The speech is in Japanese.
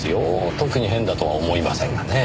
特に変だとは思いませんがねぇ。